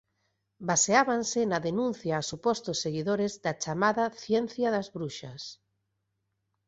Baseábanse na denuncia a supostos seguidores da chamada "ciencia das bruxas.